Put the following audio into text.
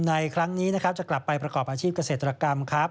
ในครั้งนี้นะครับจะกลับไปประกอบอาชีพเกษตรกรรมครับ